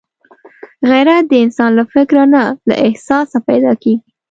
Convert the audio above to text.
غیرت د انسان له فکره نه، له احساسه پیدا کېږي